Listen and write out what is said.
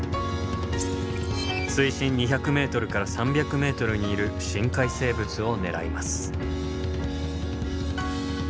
水深２００ｍから３００ｍにいる深海生物を狙います。